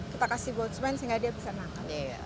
kita kasih bouts men sehingga dia bisa menangkap